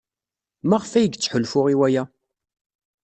Maɣef ay yettḥulfu i waya?